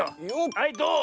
はいどう？